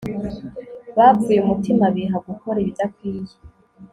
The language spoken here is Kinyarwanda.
bapfuye umutima, biha gukora ibidakwiye